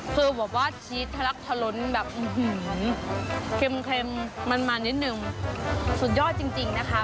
คือแบบว่าชีสทะลักทะล้นแบบเค็มมันนิดนึงสุดยอดจริงนะคะ